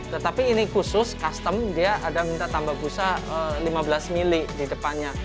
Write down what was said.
tetapi ini khusus custom dia ada minta tambah busa lima belas mili di depannya